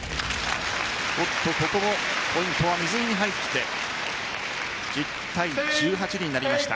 ここもポイントは水井に入って１０対１８になりました。